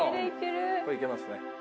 これいけますね。